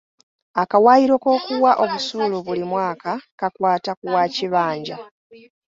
Akawaayiro k'okuwa obusuulu buli mwaka kakwata ku wa kibanja.